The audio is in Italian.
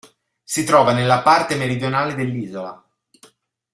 Si trova nella parte meridionale dell'isola.